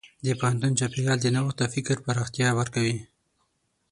د پوهنتون چاپېریال د نوښت او فکر پراختیا ورکوي.